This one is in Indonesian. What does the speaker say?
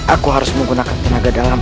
aku harus menggunakan tenaga dalam